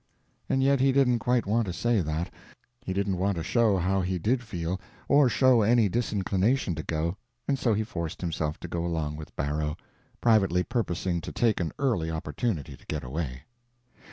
And yet he didn't quite want to say that, he didn't want to show how he did feel, or show any disinclination to go, and so he forced himself to go along with Barrow, privately purposing to take an early opportunity to get away.